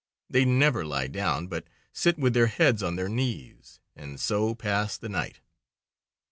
They never lie down, but sit with their heads on their knees, and so pass the night.